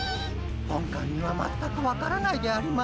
本官には全く分からないであります。